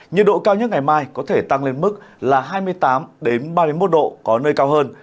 nhiệt độ cao nhất ngày mai có thể tăng lên mức là hai mươi tám ba mươi một độ có nơi cao hơn